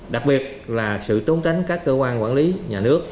đặc biệt là sự trốn tránh các cơ quan quản lý nhà nước